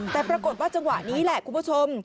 แต่ปรากฏว่าจังหวะนี้แหละคุณผู้ชม